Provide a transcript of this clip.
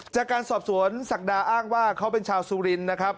จากการสอบสวนศักดาอ้างว่าเขาเป็นชาวสุรินนะครับ